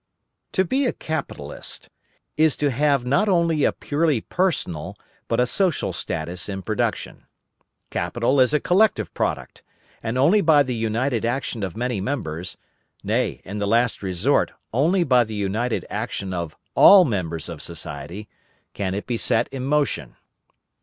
To be a capitalist, is to have not only a purely personal, but a social status in production. Capital is a collective product, and only by the united action of many members, nay, in the last resort, only by the united action of all members of society, can it be set in motion.